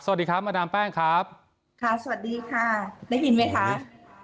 สวัสดีครับมาดามแป้งครับค่ะสวัสดีค่ะได้ยินไหมคะ